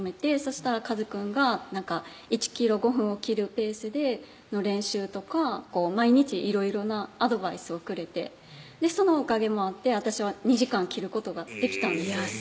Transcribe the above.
したらかずくんが１ｋｍ５分を切るペースでの練習とか毎日いろいろなアドバイスをくれてそのおかげもあって私は２時間切ることができたんです